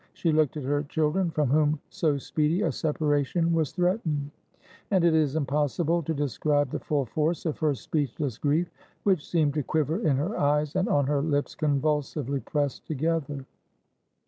She looked at her chil dren, from whom so speedy a separation was threatened; and it is impossible to describe the full force of her speechless grief, which seemed to quiver in her eyes, and on her lips convulsively pressed together.